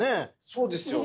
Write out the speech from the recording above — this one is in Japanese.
そうですよ。